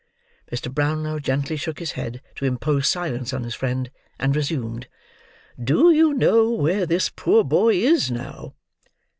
Mr. Brownlow gently shook his head to impose silence on his friend, and resumed: "Do you know where this poor boy is now?"